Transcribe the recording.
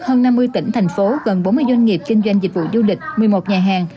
hơn năm mươi tỉnh thành phố gần bốn mươi doanh nghiệp kinh doanh dịch vụ du lịch một mươi một nhà hàng